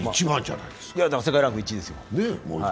世界ランク１位ですよ。